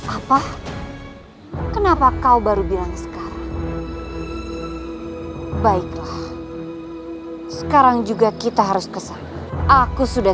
apa kenapa kau baru bilang sekarang baiklah sekarang juga kita harus kesan aku sudah